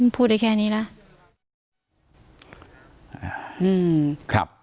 พูดได้แค่นี้แล้ว